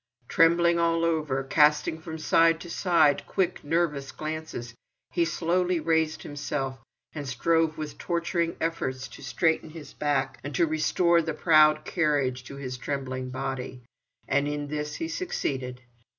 Trembling all over, casting from side to side quick, nervous glances, he slowly raised himself, and strove with torturing efforts to straighten his back and to restore the proud carriage to his trembling body. And in this he succeeded.